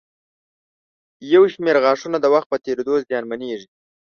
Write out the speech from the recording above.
یو شمېر غاښونه د وخت په تېرېدو زیانمنېږي.